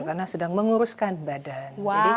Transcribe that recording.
karena sedang menguruskan badan